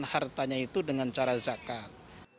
mereka harus memberikan harta itu dengan cara zakat